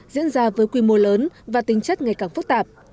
diễn ra với quy mô lớn và tính chất ngày càng phức tạp